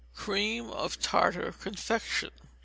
Cream of Tartar Confection.